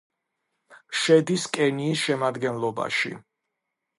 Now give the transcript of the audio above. შედის კენიის შემადგენლობაში.